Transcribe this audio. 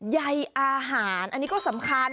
ใยอาหารอันนี้ก็สำคัญ